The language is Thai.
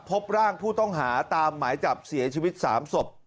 พบร่างผู้ต้องหาตามหมายจับเสียชีวิต๓ศพ